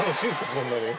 そんなに。